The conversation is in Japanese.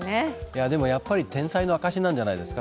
やっぱり天才の証しなんじゃないですか。